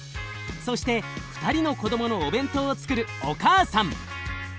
そして２人の子どものお弁当をつくるお母さん。